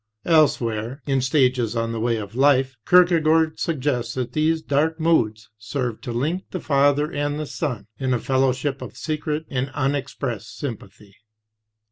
Elsewhere, in Stages on the Way of Life, Kierkegaard suggests that these dark moods served to link the father and the son in a fellowship of secret and unexpressed sympathy.